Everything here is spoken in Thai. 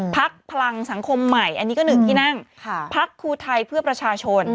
พักพลังสังคมใหม่นี่ก็ถึงให้นั่งพักครูไทยเพื่อประชาชน